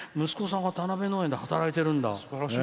息子さんが田辺農園で働いてるんだ。